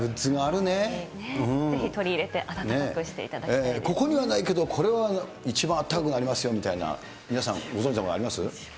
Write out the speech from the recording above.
ぜひ取り入れて暖かくしていここにはないけど、これは一番暖かくなりますよみたいな、皆さんご存じのものあります？